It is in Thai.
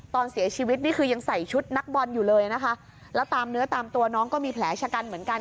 ตอนเสียชีวิตนี่คือยังใส่ชุดนักบอลอยู่เลยนะคะแล้วตามเนื้อตามตัวน้องก็มีแผลชะกันเหมือนกัน